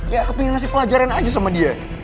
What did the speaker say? ya kepengen ngasih pelajaran aja sama dia